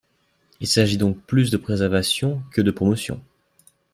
Il s’agit donc plus de préservation que de promotion.